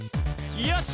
よし！